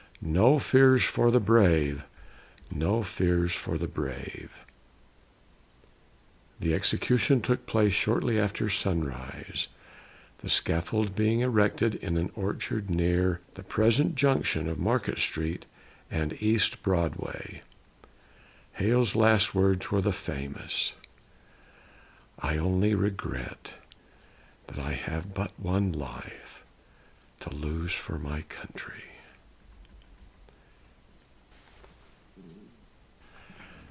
No fears for the brave; no fears for the brave." The execution took place shortly after sunrise, the scaffold being erected in an orchard near the present junction of Market Street and East Broadway. Hale's last words were the famous, "I only regret that I have but one life to lose for my country."